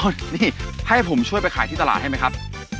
นี่ให้ผมช่วยไปขายที่ตลาดให้ไหมครับ